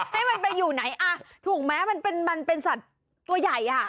ให้มันไปอยู่ไหนอ่ะถูกไหมมันเป็นสัตว์ตัวใหญ่อ่ะ